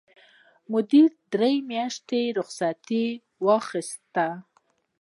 مدیرې درې میاشتې رخصت واخیست.